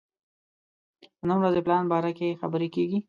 د نن ورځې پلان باره کې خبرې کېږي.